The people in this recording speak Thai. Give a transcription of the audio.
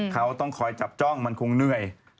เขาต้องคอยจับจ้องมันคงเหนื่อย